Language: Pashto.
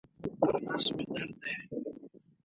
پر نس مي درد دی.